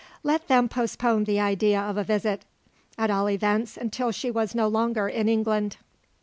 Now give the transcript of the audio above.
Let them postpone the idea of a visit; at all events until she was no longer in England.